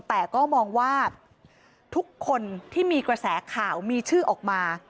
แต่ก็มองว่าทุกคนที่มีกระแสข่าวมีชื่อออกมา